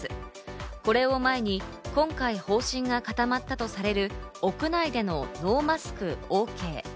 これを前に今回、方針が固まったとされる屋内でのノーマスクＯＫ。